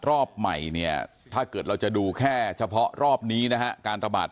รอบใหม่เนี่ยถ้าเกิดเราจะดูแค่เฉพาะรอบนี้นะฮะการระบาด